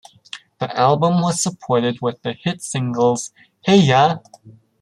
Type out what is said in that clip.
The album was supported with the hit singles Hey Ya!